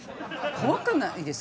怖くないですか？